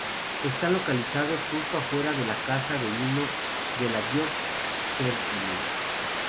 Están localizados justo afuera de la casa de vino de Ladoix-Serrigny.